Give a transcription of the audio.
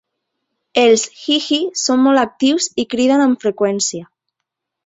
Els hihi són molt actius i criden amb freqüència.